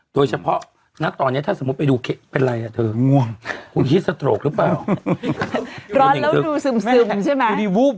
โดยเฉพาะนะตอนเนี้ยถ้าสมมุติไปดูเป็นไรอ่ะเธอง่วงคุณคิดสตโรคหรือเปล่าร้อนแล้วดูซึมซึมใช่ไหม